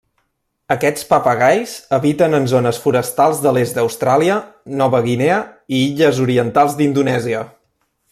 Aquests papagais habiten en zones forestals de l'est d'Austràlia, Nova Guinea i illes orientals d'Indonèsia.